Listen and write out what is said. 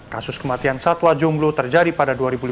kasus kematian satwa jomblo terjadi karena satwa yang berubah